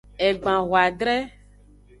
Egban hoadre.